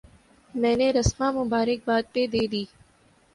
میں نے رسما مبارکباد پہ دے دی۔